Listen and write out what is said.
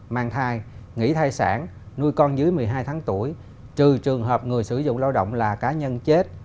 mang thai nghỉ thai sản nuôi con dưới một mươi hai tháng tuổi trừ trường hợp người sử dụng lao động là cá nhân chết